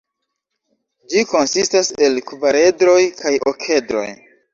Ĝi konsistas el kvaredroj kaj okedroj.